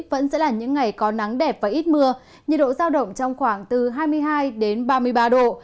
vẫn sẽ là những ngày có nắng đẹp và ít mưa nhiệt độ giao động trong khoảng từ hai mươi hai đến ba mươi ba độ